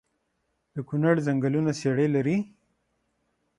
د کونړ ځنګلونه څیړۍ لري؟